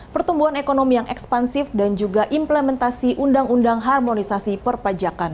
pertumbuhan ekonomi yang ekspansif dan juga implementasi undang undang harmonisasi perpajakan